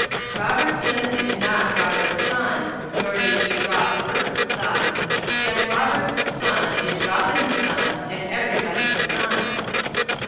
"Robertson is not Robert's son, Nor did he rob Burt's son, Yet Robert's sun is Robin's sun, And everybody's sun.